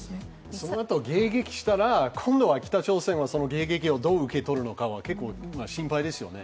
そのあと迎撃したら、今度は北朝鮮がその迎撃をどう受け取るのか、結構心配ですよね。